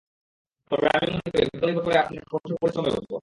তবে আমি মনে করি, ভাগ্য নির্ভর করে আপনার কঠোর পরিশ্রমের ওপর।